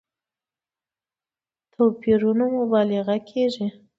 توپيرونو مبالغه کېږي.